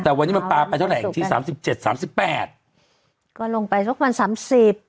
แต่วันนี้มันปลาไปเท่าไหร่ที่สามสิบเจ็ดสามสิบแปดก็ลงไปสักวันสามสิบ